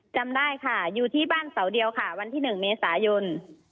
จำได้ค่ะอยู่ที่บ้านเสาเดียวค่ะวันที่๑เมษายน